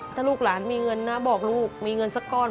ถ้าลูกหลานมีเงินนะบอกลูกมีเงินสักก้อน